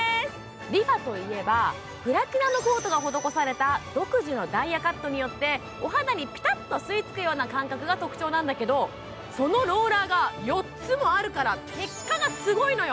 ＲｅＦａといえば、プラチナコートが施された独自のダイヤカットによってお肌にぴたっと吸いつくような感覚が特徴なんだけど、そのローラーが４つもあるから結果がすごいのよ。